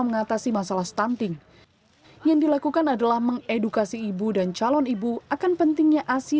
mengatasi masalah stunting yang dilakukan adalah mengedukasi ibu dan calon ibu akan pentingnya asi